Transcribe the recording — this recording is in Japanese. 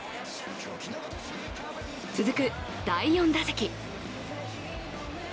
続く第４打席。